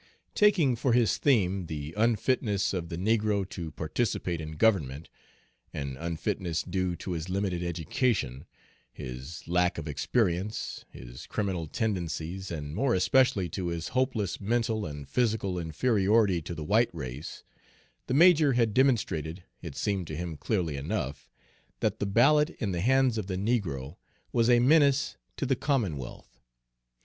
Taking for his theme the unfitness of the negro to participate in government, an unfitness due to his limited education, his lack of experience, his criminal tendencies, and more especially to his hopeless mental and physical inferiority to the white race, the major had demonstrated, it seemed to him clearly enough, that the ballot in the hands of the negro was a menace to the commonwealth.